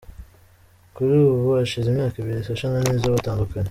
Kuri ubu hashize imyaka ibiri Sacha na Nizzo batandukanye.